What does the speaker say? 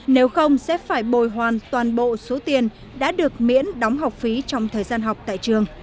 nếu không sẽ phải bồi hoàn toàn bộ số tiền đã được miễn đóng học phí trong thời gian học tại trường